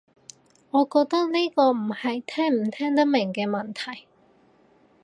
我覺得呢個唔係聽唔聽得明嘅問題